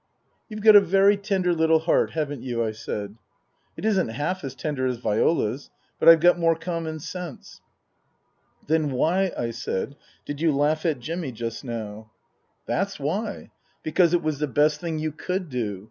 You've got a very tender little heart, haven't you ?" I said. " It isn't half as tender as Viola's. But I've got more common sense." " Then why," I said, " did you laugh at Jimmy just now ?" 154 Tasker Jevons " That's why. Because it was the best thing you could do.